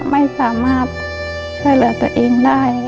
ไม่สามารถช่วยเหลือตัวเองได้